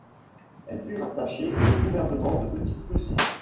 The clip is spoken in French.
Elle fut rattachée au gouvernement de Petite Russie.